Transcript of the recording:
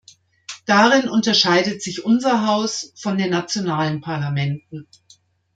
Darin unterscheidet sich unser Haus von den nationalen Parlamenten.